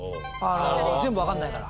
全部わかんないから。